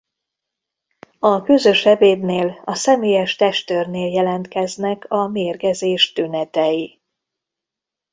A közös ebédnél a személyes testőrnél jelentkeznek a mérgezés tünetei.